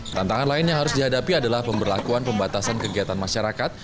tantangan lain yang harus dihadapi adalah pemberlakuan pembatasan kegiatan masyarakat